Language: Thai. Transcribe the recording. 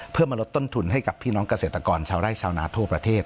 เพื่อมาลดต้นทุนให้กับพี่น้องเกษตรกรชาวไร่ชาวนาทั่วประเทศ